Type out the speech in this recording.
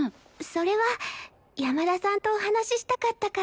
それは山田さんとお話ししたかったから。